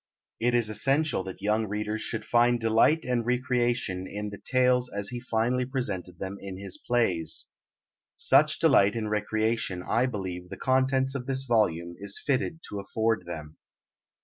It is essential that young readers should find delight and recreation in the tales as he finally presented them in his plays. Such delight and recreation I believe the contents of this volume is fitted to afford them.